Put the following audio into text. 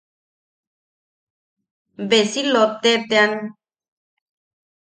Be si lotte tean.